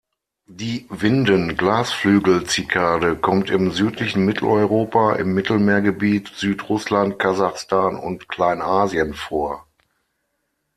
Die Winden-Glasflügelzikade kommt im südlichen Mitteleuropa, im Mittelmeergebiet, Süd-Russland, Kasachstan und Kleinasien vor.